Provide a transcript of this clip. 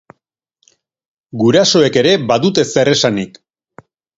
Gurasoek ere badute zer esanik.